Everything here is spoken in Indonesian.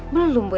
belum bu rt